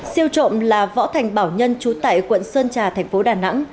siêu trộm là võ thành bảo nhân trú tại quận sơn trà thành phố đà nẵng